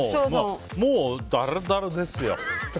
もうダラダラですよ。